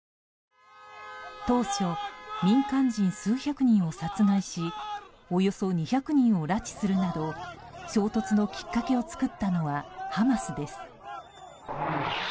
当初、民間人数百人を殺害しおよそ２００人を拉致するなど衝突のきっかけを作ったのはハマスです。